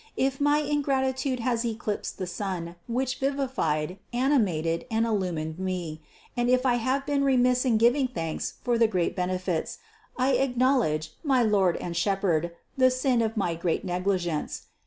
If my ingratitude has eclipsed the Sun, which vivified, animated and illu mined me, and if I have been remiss in giving thanks for the great benefits, I acknowledge, my Lord and Shepherd, the sin of my great negligence.